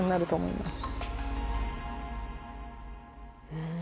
うん。